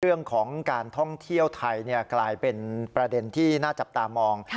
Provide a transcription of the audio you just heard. เรื่องของการท่องเที่ยวไทยกลายเป็นประเด็นที่น่าจับตามอง